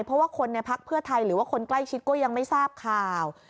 เพราะว่าคนในพักเพื่อไทยหรือว่าคนใกล้ชิดก็ยังไม่ทราบข่าว